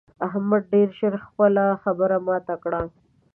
احمد ډېر ژر خپله خبره ماته کړه.